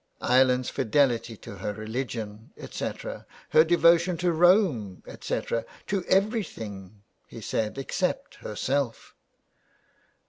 Ireland's fidelity to her religion, etc., her devotion to Rome, etc., — to everything," he said, " except herself.